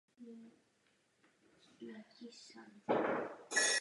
Poté se stal prostorem pro pořádání výstav a koncertů.